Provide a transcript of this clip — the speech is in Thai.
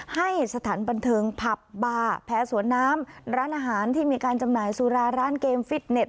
ให้สถานบันเทิงผับบาร์แพ้สวนน้ำร้านอาหารที่มีการจำหน่ายสุราร้านเกมฟิตเน็ต